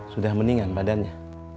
sudah mendingan badannya